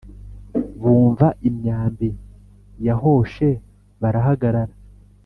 bumva imyambi yahoshe barahagarara